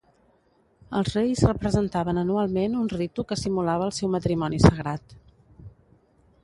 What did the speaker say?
Els reis representaven anualment un ritu que simulava el seu matrimoni sagrat.